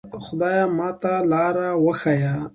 خدایه ماته سمه لاره وښیه.